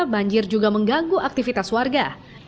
banjir juga mengganggu aktivitas warga